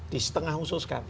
di setengah khusus kan